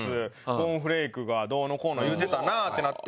「コーンフレークがどうのこうの言うてたな」ってなって。